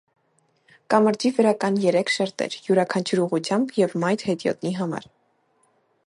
Կամրջի վրա կան երեք շերտեր յուրաքանչյուր ուղղությամբ և մայթ հետիոտնի համար։